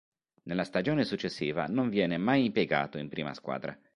Nella stagione successiva non viene mai impiegato in prima squadra.